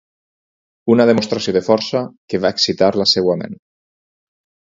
Una demostració de força que va excitar la seva ment.